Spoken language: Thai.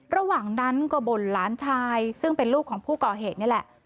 ระหว่างนั้นก็บ่นหลานชายซึ่งเป็นลูกของผู้ก่อเหตุนี่แหละ